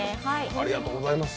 ありがとうございます。